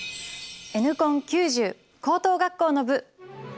「Ｎコン９０」高等学校の部。